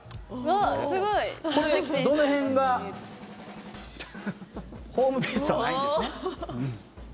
これ、どの辺がホームベースはないんですね。